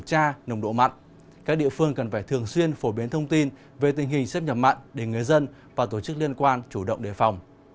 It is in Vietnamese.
các địa phương cần phải thường xuyên phổ biến thông tin về tình hình xếp nhập mặn để người dân và tổ chức liên quan chủ động đề phòng